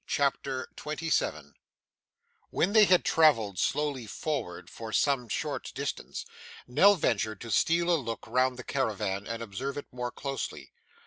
CHAPTER 27 When they had travelled slowly forward for some short distance, Nell ventured to steal a look round the caravan and observe it more closely.